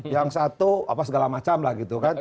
yang satu apa segala macam lah gitu kan